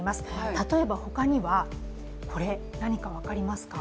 例えば他にはこれ、何か分かりますか？